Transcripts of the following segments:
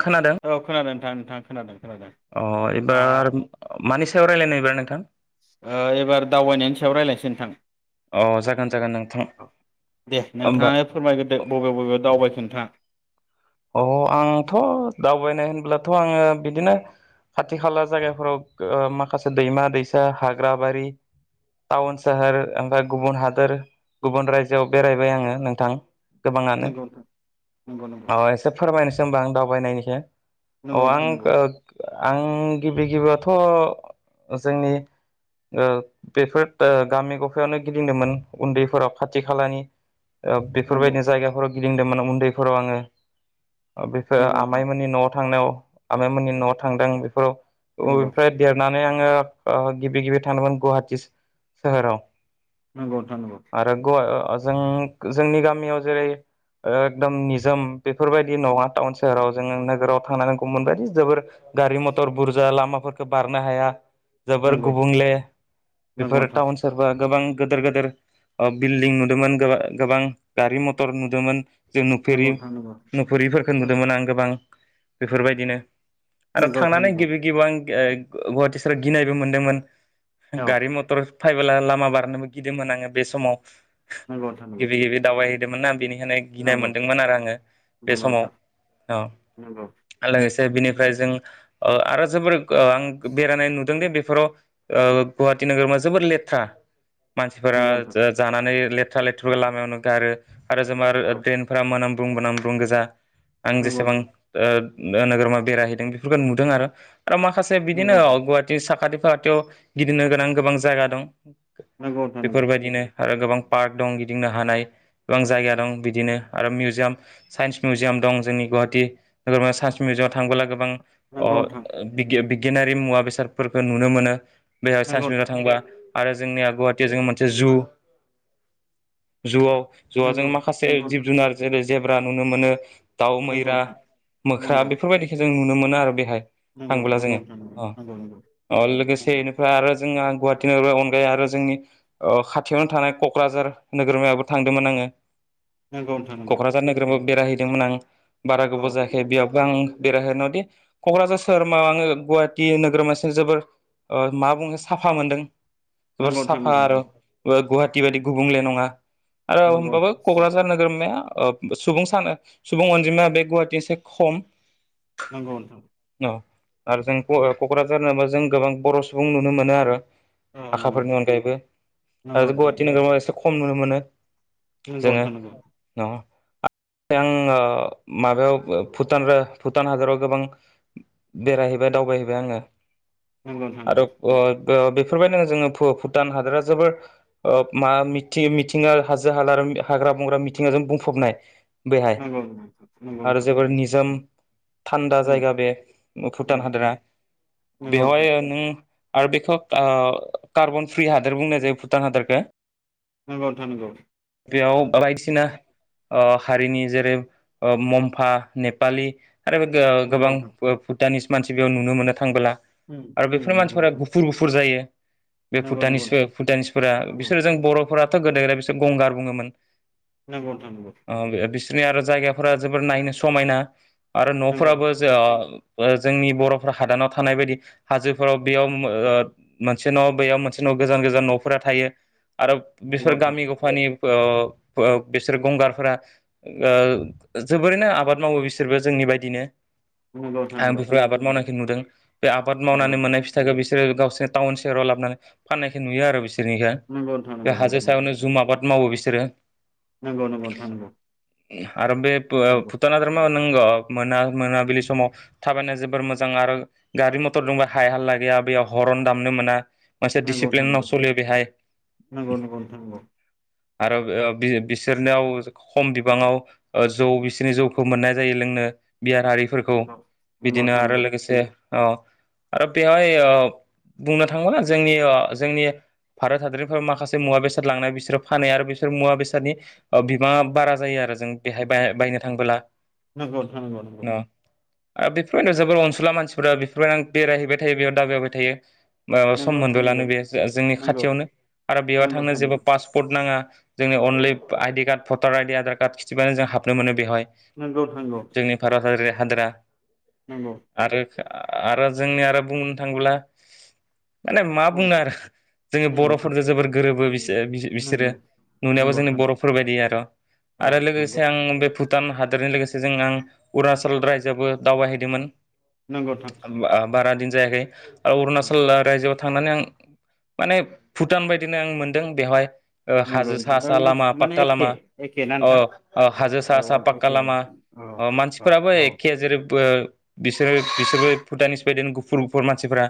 खोनादों औ खोनादों नोंथां नोंथां खोनादों खोनादों अ आ एबार मानि सायाव रायलायनो एबार नोंथां ओ एबार दावबायनायनि सायाव रायज्लायनोसै नोंथां । अ जागोन जागोन नोंथां औ दे होमबा नोंथाङा फोरमायग्रोदो बबे बबे दावबायखो? फ्रा अ आंथ' दावबायनाय होनब्लाथ' आङो बिदिनो खाथि खाला जायगाफोराव ओ माखासे दैमा दैसा हाग्राबारि टाउन सोहोर ओमफ्राय गुबुन हादोर गुबुन रायजोआव बेरायबाय आङो नोंथां। गोबाङानो नंगौ नोंथां नंगौ नंगौ। अ एसे फोरमायनोसै होनब आं दावबायनायनिखो अ नंगौ नंगौ आं आं गिबि गिबियावथ' जोंनि ओ बेफोर गामि गफायावनो गिदिंदोंमोन उन्दैफोराव खाथि खालानि ओ बेफोरबायदि जायगाफोर गिदिंदोंमोन उन्दैफोराव आङो बेफोरो नंगौ नोंथां आमाइमोननि न' थांनायाव आमैमोननि न'आव थांदों बेफोराव नंगौ मफ्राय देरनानै नै आङो ओ गिबि गिबि थांदोंमोन गुवाहाटि सोहोराव नंगौ नोंथां नंगौ। आरो गवा जों जोंनि गामियाव जेरै एकदम निजोम बेफोरबायदि नङा टाउन सोहराव जोङो नोगोराव थांनांगौमोनबायायदि जोबोर गारि मथर बुरजा लामाफोरखौ बारनो हाया जोबोर गुबुंले बेफोर नोंथां टाउन सोरफ्रा गोबां गोदेर गोदेर ओ बिल्डिं नुदोंमोन गोबां गारि मथर नुदोंमोन। जों नुफेरि नंगौ नंगौ नोंथां नंगौ नुफुरिफोरफोरखौ नुदोंमोन आं गोबां बेफोरबायदिनो आरो नंगौ नंगौ थांनानै नोंथां गिबि गिबि आं गुवाहाटि साव गिनायबो मोनदोंमोन गारि मटर फायबोला लामा बारनोबो गिदिमोन आङो बे समाव नंगौ नोंथां गिबि गिबि दाब है [unintelligible] गिनाय नंगौ मोन्दोंमोन आरो आङो बे नंगौ समाव नोंथां आो नंगौ बिनिफ्राय जों आरो जोबोर आं बेरायनाय नुदोंदि बेफोराव गुवाहाटटि नोगोरमा जोबोर लेथ्रा मानसिफोरा जानानै लेथ लेथ्रा लेथ्रिफोरखौ लामायावनो गारो। आरो। औ [unintelligible] [unintelligible] खु्रुं गोजा आं नंगौ जेसेबां नोगोरमा बेरायहैदों बेफोरखौ नुदों आरो आरो माखासे बिदिनो नोंथां गुवाहाटि साखाथि गवाहाटियाव गिदिंनो गोनां गोबां जायगा दं नंांगौ थ नांगौ बेफोरबायदिनो आरो गोबां पार्क दं गिदिंनो हानाय गोबां जायगा दं बिदिनो आरो मिउजियाम साइन्स मिउजिाम दं जोंनि गुवाहाटि साइन्स मिउजिामाव थांबोला गोबां अ नंगौ नोंथां बिग गियानारि मुवा बेसादफोरखौ नुनो मोनो बेह सानस नंगौ नंगौ नोंथां औ नंगौ नोंथां नंगौ नोंथां नंगौ बिंाव नोंथां थांबा आरो जोंनिया गुवाहाटियाव जोङो मोनसे जु जुआव जवाजों नंगौ नंगौ नोंथां नंगौ नोंथां नंगौ माखासे जिब नोंथां जुनार जेरै जे नुनो मोनो दाउ नंगौ मैरा नोंथां मोख्रा नंगौ बेफोरबायदिखौ जों नु, नुनो मोन आरो बेहाय नंगौ थांबोला जोङो नंगौ नोंथां नंगौ अ नंगौ अ लोगोसे नंगौ बेनिफ्राय आरो जोंहा गुवाहाटिनि अनगायै आरो जोंनि खाथियावनो थानाय क'क्राझार नोगोरमायायावो थांदोंमोन आङो नंगौ नोंथां नंगौ क'क्राझार नोगोरमायाव बेरायहैदोंमोन आं बारा औ गोबाव जायाखै बियाव ब आं बेरायहनायदि क'क्राझार सोहोराव आङो गुवाहाटि नोगोरमासे जोबोर मा बुङो साफा मोनदों जोबोर नंगौ नोंथां साफा नंगौ आरो ओ गुवाहाटि बायदि गुबुंले नङा आरो होमबाबो क'क्राझार नोगोरमाया अ सुबुं सानो सुबुं अनजिमाया बे गुवाहाटिसे खम नंगौ नोंथां [unintelligible] आरो जों औ क ओ क'क्राझारनोबो जों गोबां बर' सुबुं नुनो मोनो आरो औ नंगौ हाखाफोरनि अनगायैबो नंगौ आरो गुवाहाटि नोगोराव एसे खम नुनो मोनो मोनो [unintelligible] थांनांगो आङो माबायाव भुटान भुटान हादराव गोबां बेरायहैबाय दावबायहैबाय आङो नंगौ नंगौ बेफोरबायदिनोङ जोङो भुटान हादोरा जोबोर मा मि मिथिङा हाजो हाल आरो हाग्रा बंग्रा मिथिंङाजों बुंफबनाय बेहाय नंगौ नंगौ आरो नोंथां जोबोर निजोम थान्दा जायगा नंगौ बे भुटान नंगौ हादोरा। नोंथां बेवहाय नों आरो बेखौ का कार्बन फ्रि हादोर बुंनाय जायो भुटान हादोरखौ। नंगौ नोंथां नंगौ बेयाव बायदिसिना हारिनि जेरै मम्फा नेपालि आरो बे गोबां भुटनिस मानसिखौ नुनो मोनो थांबोला आरो उम बेफोर मानसिफोरा उम गुफुर गुफुर जायो बे नंगौ नोंथां नंगौ भुटानिस नोंथां भुटानिसफोरा बिसोरो जों बर'फोराथ' गोदो बिसोर गंगार बुङोमोन नंगौ अ [unintelligible] जनि आरो जायगाफोरा जोबोर नायनो समायना आरो न'फोराबो जा जोंनि बर'फोर हादानाव थानाय बायदि हाजोफोराव बेयाव मोनसे न' बेयाव मोनसे न' गोजान गोजान न'फोरा थायो। आरो बिसोर नोंथां गामि गफानि ओ ओ बिसोर गंगार फोर ओ जोबोरैनो आबाद मावो बिसोरबो जोंनि बायदिनो उम आंबो आबाद माव नुदों बे आबाद मावनानै मोननाय फिथाइखौ बे बिसोरो गावसोर टाउन सहेराव लाबोनानै फाननायखौ नुयो आरो बिसोर नि नंगौ नोंथां बे नंगौ हाजो सायावनो जुम आबाद मावो बिसोर [unintelligible] नंगौ नंगौ नोंथां नंगौ आर बेे फुतानधोरम नांगौ मोना मोनाबिलि समाव थाबायनाय जोबोर मोजां आरो गारि मथर दंब हाय हालला गैया बेयाव हरन दामनो मोना मोनसे नंगौ डिसिप्लिनाव नोंथां सोलियो बेहाय नंगौ नंगौ आरो बि बिसोर बिसिनाव खम बिबाङाव जौ बिसिरनि जौखौ मोननाय जायो लोंनो। बियार आरारिफोरखौ नंगौ नंगौ बिदिनो नोंथां आरो नंगौ लोगोसे ओआरो बेवहाय बुंनो थाङोब्ला जोंनि जोंनि भारत हादरनिफ्राय माखासे मुवा बेसाद लांनाय बिसोरो फानो आरो बिसोर मुवा बेसादनि बिबाङा बारा जायो आरो जों बेहाय बायनो थांबोला नगौ नोंथां नंगौ नंगौ न' ओ बेफोरबायदियाव जोबोर अनसुला मानसिफोरा बेफोरबायदि आं बेरायहैबाय थायो बेयाव दावाबायहाय थायो ओ सम मोनदोलानो बे जोंनि नंगौ खाथियावनो आरो बेयाव नंगौ थांनो नोंथां जेबो नंगौ पासपर्ट नाङा जोंनि अनलि आइडि कार्ड भटार आइडि आधार कारड खिथिबानो जों हाबनो मोनो बेहाय नंगौ जोंनि भारत हारिया हादोरा नंगौ आरो आरो जोंनि आरो बुंनो थाङोब्ला माने मा बुङो नोंथां आरो जोंनि नंगौ बर'फोरजों जोबोर गोरोबो बिसोर बिसोरो नंगौ नोंथां नंगौ नुनायावो जोंनि बर' फोरबायदि आरो औ आरो नोंथां उम नोंथां नंगौ नोंथां नंगौ लोगोसे औ नंगौ आं बे भुटान हादरनि लोगोसे जों आं अरुनाचल फुथुल रायजोआवबो दावबायहैदोंमोन नंगौ नोंथां बारा दिन जायाखै। औ अरुणाचल रायजोआव थांनानै आं माने भुटान बायदिनो आं मोनदों बेवहाय। ओ नंगौ हाजो नोंथां सा दा सा नों लामा। माने पाक्का एखे लामा एखे ना अ नोंथां ओ हाजो औ सा सा औ पाक्का एखे लामा औ अ औ मानसिफोराबो औ एखे जेरैबो बिसोरो बिसोरबो भुटाननिस बायदिनो गुफुर गुफुर मानसिफोरा।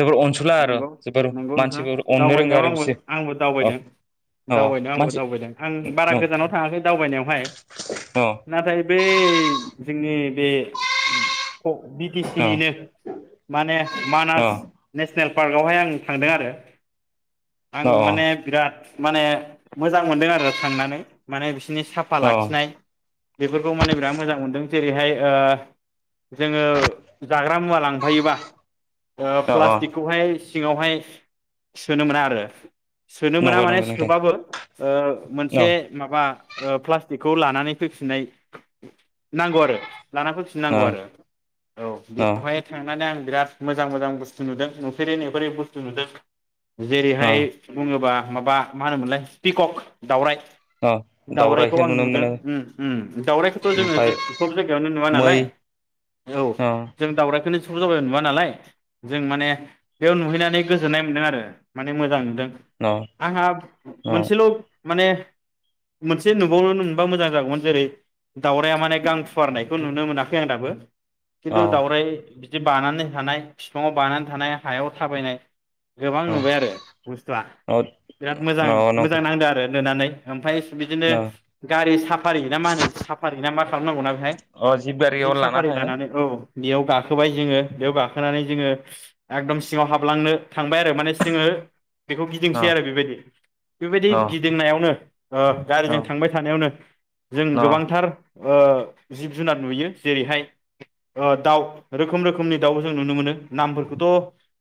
जोबोर अनसुला आरो नंगौ जोबोर नंगौ नोंथां मानसिफोर अननो रोंगो दावबायनायाव आरो आंबो बिसोरो आंबो औ दावबायदों औ दावबायनायाव आंबो मानसि। दावबायदों आं बारा अ गोजानाव थाङाखै दावबायनायावहाय नाथाय बै जोंनि बे ख बि-टि-सि निनो माने मानास नेसनेल पार्कआवहाय आं थांदों आरो। आं अ माने बिराद माने मोजां मोनदों आरो थांनानै माने बिस बिनि साफा अ लाखिनाय बेफोरखौ माने बिराद मोजां मोनदों। जेरैहाय ओ जोङो जाग्रा मुवा लांफायोबा ओ अ अ फ्लास ओ सिङावहाय सोनो मोना आरो। सोनो मोना नंगौ माने नंगौ नोंथां सोबाबो ओ अ मोनसे अ माबा ओ प्लास्टिकखौ लानानै फैफिननाय नांगौ आरो। लाना फैफिननांगौ आरो औ अ बेवहाय थांनानै आं बिराद मोजां मोजां बुस थु नुदों नुफेरि नुफेरै बुस्थु नुदों। अ जेरैहाय बुङोबा माबा मा होनोमोनलाय पिकक दावराय। अ दावरायखौ दावराइखौ आं नुनो नुदों मोनो दावरायखौथ' जोङो ओमफ्राय सब जायगायावनो नुवा मै नालाय औ अ जों दाउरायखौनो [unintelligible] जों माने बेयाव नुहैनानै गोजोननाय मोनदों आरो माने मोजां नुदों। अ आंहा अ मोनसेल' माने मोनसे नुबावनो [unintelligible] मोजां जागौमोन जेरै दावराया माने गां फुवारनायखौ नुनो मोनाखै आं दाबो। खिन्थु अ दावराय बिदि बानानै थानाय। बिफाङाव बानानै थानाय हायाव थाबायनाय। गोबां नुबाय आरो बुस्थुआ अ बिराद मोजां अ मोजां नांदों आरो। होनानै ओमफ्राय बिदिनो अ गारि साफारि ना मा होनो साफारि ना मा खालामनांगौना बेहाय अ गारियाव जिब लाना साफारि थाङो लानानै औ बेयाव गाखोबाय जोङो बेयाव गाखो होनानै जोङो एकदम सिङाव हाबलांनो थांबाय आरो माने जोङो बेखौ अ गिदिंसै आरो बेबायदि बेबायदि अ गिदिंनायावनो अ गारिजों थांबाय थानायावनो जों अ गोबांथार ओ जिब जुनार नुयो जेरैहाय दाउ रोखोम रोखोमनि दाउ जों नुनो मोनो नामफोरखौथ'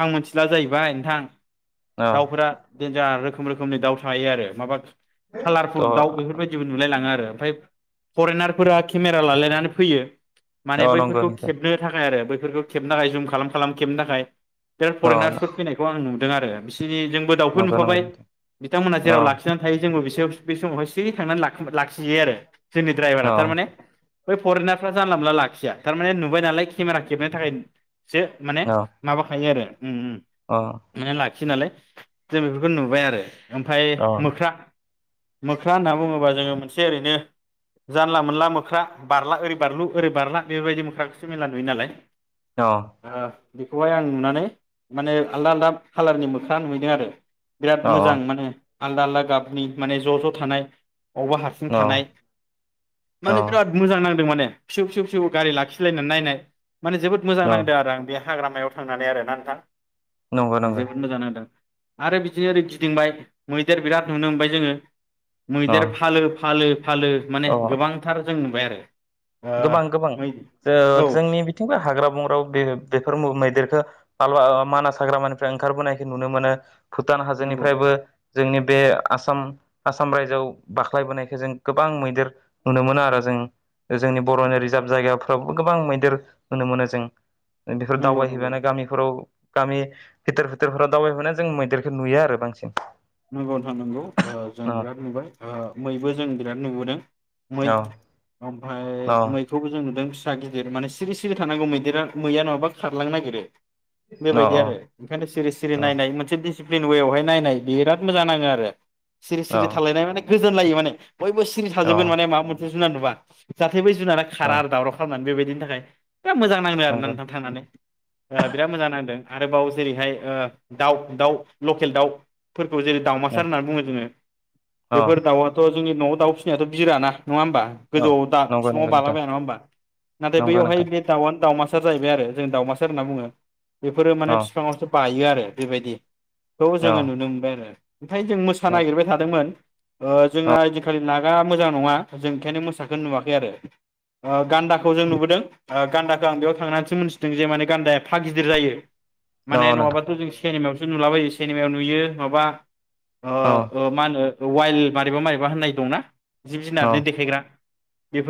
आं मिथिला जाहैबाय नोंथां अ दाउफोरा जा रोखोम रोखोमनि दाउ थायो आरो माबा कालारफुल थ दाउ बेफोरबायदिबो नुलायलाङो आरो ओमफ्राय फरेनारफोरा केमेरा लालायनानै फैयो। माने अ नंगौ बैफोरखौ नोंथां खेबनो थाखाय आरो बे खेबनो थाखाय जुम खालाम खेबनो थाखाय बे अ फरेनार्सफोर फैनायखौ आं नु आरो बिसोरनि जोंबो दाउखौ नंगौ नंगौ नुफाबाय नोंथां बिथांमोनहा अ जेराव लाखिनानै थायो जोंबो बिसोर बे समावहाय थै थांनानै लाखिजायो आरो जोंनि दड्राइभारा अ थारमाने बै फरेनारफ्रा जानला मोनला लाखिया थारमाने नुबाय नालाय केमेरा खेबनो थाखाय सो माने अ माबाखायो आरो उम अ उम नालाय जों बेफोरखौ नुबाय आरो ओमफफ्राय अ मोख्रा मोख्रा होनना बुङोबा जोङो मोनसे ओरैनो जानला मोनला मोख्रा बारला ओरै बारलु ओरै बारला बेबायदि मोख्राखौसो मेला नुययो नालाय अ ओ बेखौहाय आं नुनानै माने आलदा आलदा खाालारनि मोख्रा नुहैदों आरो बिराद अ मोजां माने आलदा आलदा गाबनि माने ज' ज' थानाय बबावबा हारसिं थानाय माने अ बिराद मोजां नांदों माने फिसौ फिसौ फिसौ गारि लाखिलायनानै नाय माने जोबोद मोजां अ नांदों आरो आं बे हाग्रामायाव थांनानै आरो ना नंगौ नोंथां। नंगौ जोबोद मोजां नांदों। आरो बिदिनो ओरै गिदिंबाय मैदेर बिराद नुनो मोनबाय जोङो। अ मैदेर फालो फालो फालो माने अ गोबांथार जों बाय आरो गोबां गोबां ओ मै जो औ जोंनि बिथिंबो हाग्रा बं ग्राव बे बेफोर मैदेरखो [unintelligible] मानास हाग्रामानिफ्राय ओंखारबोनायखो नुनो मोनो। भुटान नंगौ हाजोनिफ्रायबो जोंनि बे आसाम आसाम रायजोआव बाख्लायबोनायखो जों गोबां मैदेर नुनो मोनो आरो जों। जोंनि बर'नि रिजार्भ जायगाफ्रावबो गोबां मैदेर नुनो मोनो जों। बेफोर नंगौ नंगौ दावबायहैबानो गामिफोराव गामि भिथोर भिथोरफोराव दावबायहैबा जों मैदेरखौ नुयो आरो बांसिन। नंगौ नोथां नंगौ। ओ जों औ बिराद नुबाय ओ मैबो जों बिराद नुबोदों मै औ ओमफ्राय औ मैखौबो जों नुदों फि सा गिदिर माने सिरि सिरि थानांगौ मैदेरा मैया नङाबा खारलांनो नागिरो। औ बेबायदि आरो ओंखायनो सिरि सिरि औ नायनाय मोनसे दिसि प्लिन वेयावहाय नायनाय बिराद मोजां नाङो आरो सिरि औ सिरि थालायनाय माने गोजोन लायो माने बयबो सिरि औ थाजोबगोन माने माबा मोनसे जुनार नुबा बेबादिब्लाथाय औ खारा आरो दावराव खालामनानै बेबाय बेनि थाखाय बिराद मोजां नांदों आरो ना नंगौ नोंथां थांनानै। आ बिराद मोजां नांदों। आरोबाव जेरैहाय ओ दाउ दाउ लकेल दाउ जेरै दाउमासार औ होननानै बुङो जोङो। औ बेफोर दाउआथ' जोंनि न'आव दाउ फिसिनायाथ' बिराना। नङा होमबा औ गोजौआव दा नंगौ फिफाङाव नंगौ नोंथां बालाबाया नङा होमबा। नाथाय नंगौ बैयावहाय नोंथां [unintelligible] दाउ दाउमा सार जाहैबाय आरो जों दावमासार होनना बुङो। बेफोरो माने औ फिफाङावसो बायो आ रो बेबायदि। औ जोङो नुनो [unintelligible] ओमफाय जों मोसा औ नागिरबाय थादोंमोन। ओ जोंना ओयदिनखालि लागा मोजां नङा, जों ओंखायनो मोसाखो नुवाखै आरो ओ गान्दाखौ जों नुबोदों। ओ गान्दाखो आं बैयाव थांनानैसो मोनथिदों जे माने गान्दाया एफ्फा गिदिर जायो। औ माने नोंथां नङाबाथ' जों सेनेमायाव सो नुलाबायो सिनेमायाव नुयो। माबा अ औ ओ मा होनो? वाइल्ड मारैबा मारैबा होननाय दंना। जिब औ जिनारनि देखायग्रा।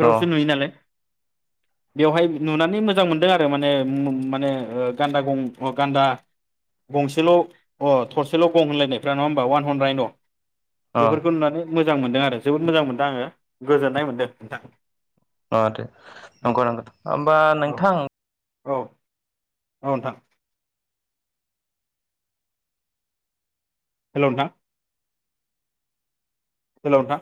औ नुयो नालाय। बेवहाय नुनानै मोजां मोनदों आरो माने म-माने गान्दा गं गान्दा गंसेल' अ थरसेल' गं होनलायनायफ्रा नङा होनबा वान हर्न रायन'। औ बेफोरखौ नुनानै मोजां मोनदों आरो जोबोद मोजां मोनदों आङो गोजोननाय मोन्दों नोंथां। अह दे औ नंग' नंग'। होमबा औ नोंथां औ औ नोंथां। हेलौ नोंथां। हेल' नोंथां।